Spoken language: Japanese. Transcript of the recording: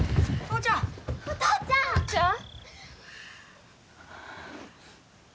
お父ちゃん！